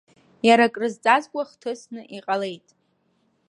Иара крызҵазкуа хҭысны иҟалеит.